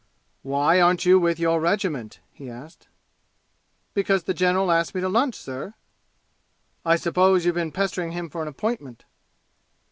"Why aren't you with your regiment?" he asked. "Because the general asked me to lunch, sir!" "I suppose you've been pestering him for an appointment!"